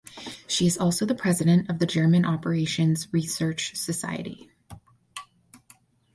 She is also the president of the German Operations Research Society.